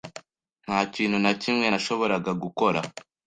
Nta kintu na kimwe nashoboraga gukora.